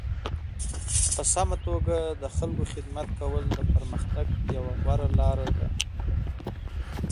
په سمه توګه د خلکو خدمت کول د پرمختګ یوه غوره لاره ده.